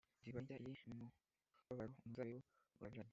Divayi nshya iri mu mubabaro, umuzabibu urarabiranye,